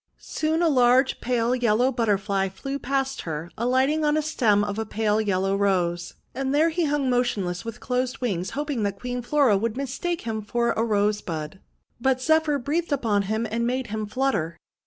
Soon a large pale yellow Butterfly flew past her, alighting on the stem of a pale yellow Rose. And there he hung motionless with closed wings, hoping that Queen Flora would mistake him for a Rosebud. But Zephyr breathed upon him, and made him flutter.